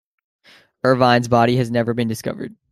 Irvine's body has never been discovered.